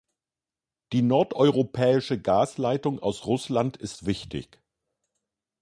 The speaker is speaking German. Die nordeuropäische Gasleitung aus Russland ist wichtig.